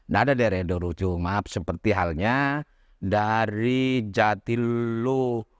nah ada di daerah daerah ujung maaf seperti halnya dari jatilu